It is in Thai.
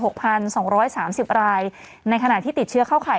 พันสองร้อยสามสิบรายในขณะที่ติดเชื้อเข้าข่าย